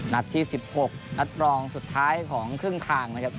นัดที่๑๖นัดรองสุดท้ายของครึ่งทางนะครับ